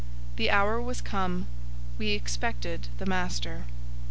The hour was come; we expected the master.